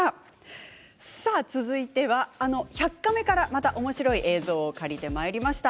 続いては「１００カメ」からまたおもしろい映像を借りてまいりました。